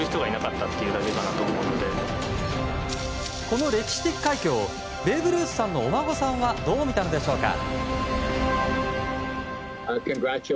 この歴史的快挙をベーブ・ルースさんのお孫さんはどう見たのでしょうか？